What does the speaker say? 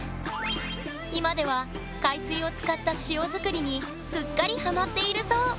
今では海水を使った塩作りにすっかりハマっているそう！